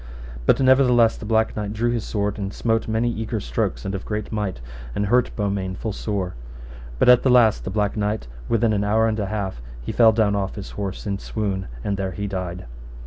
But nevertheless the Black Knight drew his sword, and smote many eager strokes, and of great might, and hurt Beaumains full sore. But at the last the Black Knight, within an hour and an half, he fell down off his horse in swoon, and there he died.